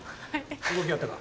動きあったか？